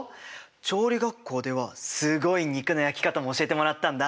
調理学校ではすごい肉の焼き方も教えてもらったんだ。